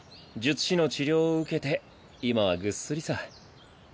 術師の治療を受けて今はぐっすりさ。